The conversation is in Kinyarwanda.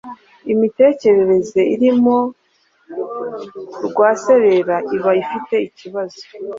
imitekerereze irimo rwaserera iba ifite ikibazo.